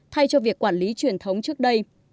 thay cho việc quản lý truyền thống trước đây